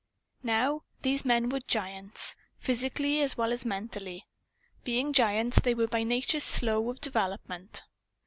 Now, these men were giants physically as well as mentally. Being giants, they were by nature slow of development.